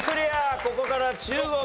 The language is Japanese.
ここから中国です。